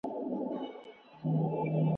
رڼا په تدریجي ډول د کوټې له غولي کډه وکړه.